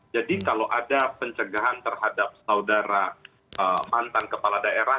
jadi kalau ada pencegahan terhadap saudara mantan kepala daerah